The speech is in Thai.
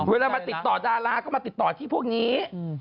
เวลามาติดต่อดาราก็มาติดต่อที่พวกนี้